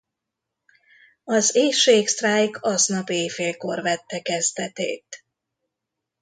Az éhségsztrájk aznap éjfélkor vette kezdetét.